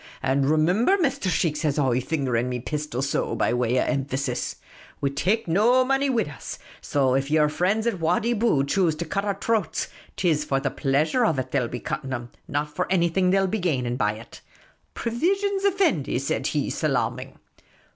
And remimber, Mr. Sheikh,' says I, fingering me pistol, so, by way of emphasis, * we take no money wid us ; so if yer friends at Wadi Bou choose to cut our throats, 't is for the pleasure of it they '11 be cutting them, not for anything they '11 gain by it.' * Provisions, effendi ?' says he, salaaming.